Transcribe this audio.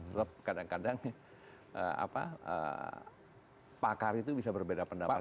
terus kadang kadang pakar itu bisa berbeda pendapat juga